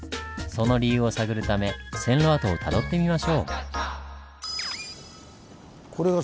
その理由を探るため線路跡をたどってみましょう。